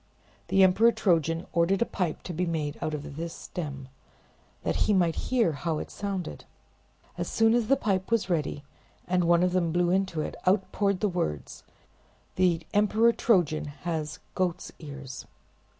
The Emperor Trojan ordered a pipe to be made out of this stem, that he might hear how it sounded. As soon as the pipe was ready, and one of them blew into it, out poured the words: "The Emperor Trojan has goat's ears!"